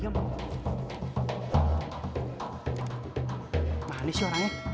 manis sih orangnya